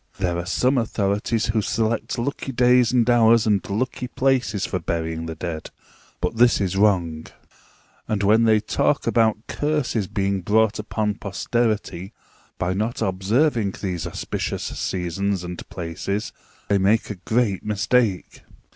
There are some authorities who select lucky days and hours and lucky places for burying the dead, but this is wrong; and when they talk about curses being brought upon posterity by not observing these auspicious seasons and places, they make a great mistake.